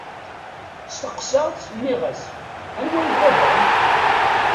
Steqsaɣ-tt, nniɣ-as: Anwa i d baba-m?